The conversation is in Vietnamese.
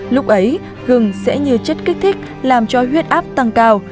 lúc ấy gừng sẽ như chất kích thích làm cho huyết áp tăng cao